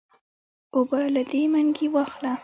اوبۀ له دې منګي واخله